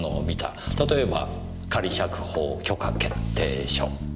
例えば仮釈放許可決定書。